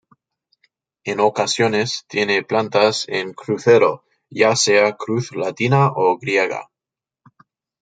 En ocasiones tiene plantas en crucero, ya sea cruz latina o griega.